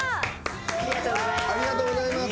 ありがとうございます。